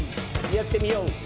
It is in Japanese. やってみよう！」